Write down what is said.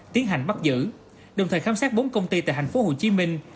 tiến hành bắt giữ đồng thời khám sát bốn công ty tại thành phố hồ chí minh